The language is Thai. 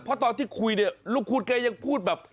เพราะตอนที่คุยเนี่ยลูกคุณแกยังพูดแบบ